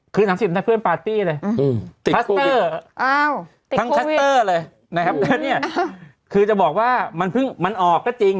คือ๓๐นาทีเพื่อนปาร์ตี้เลยทั้งทัสเตอร์เลยนะครับคือจะบอกว่ามันออกก็จริง